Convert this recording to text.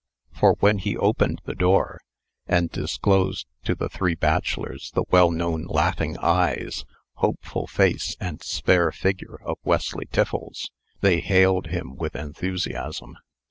For when he opened the door, and disclosed to the three bachelors the well known laughing eyes, hopeful face, and spare figure of Wesley Tiffles, they hailed him with enthusiasm.